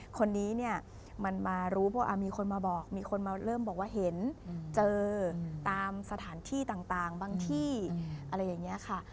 คนนี้เนี่ยมันมารู้เพราะมีคนมาบอกมีคนมาเริ่มบอกว่าเห็นเจอตามสถานที่ต่างบางที่อะไรอย่างนี้ค่ะ